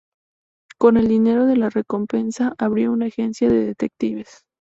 Con el dinero de la recompensa, abrió una agencia de detectives.